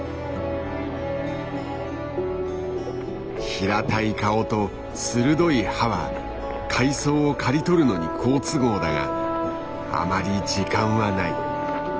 平たい顔と鋭い歯は海藻を刈り取るのに好都合だがあまり時間はない。